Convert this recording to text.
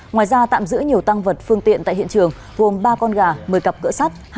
ngoài ra tạm giữ nhiều tăng vật phương tiện tại hiện trường gồm ba con gà một mươi cặp cỡ sắt